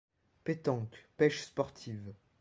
Pétanque, pêche sportive,